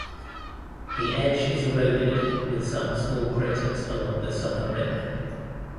The edge is eroded, with some small craters along the southern rim.